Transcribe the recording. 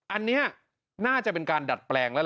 อันนี้น่าจะเป็นการดัดแปลง